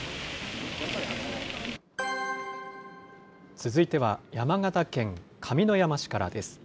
続いては、山形県上山市からです。